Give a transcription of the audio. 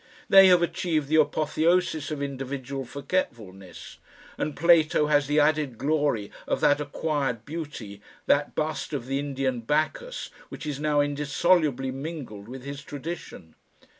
They have achieved the apotheosis of individual forgetfulness, and Plato has the added glory of that acquired beauty, that bust of the Indian Bacchus which is now indissolubly mingled with his tradition.